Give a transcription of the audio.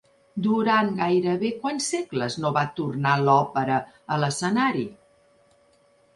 Durant gairebé quants segles no va tornar l'òpera a l'escenari?